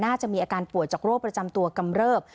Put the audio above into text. น่าจะมีอาการป่วยจากโรคประจำตัวกำเริบ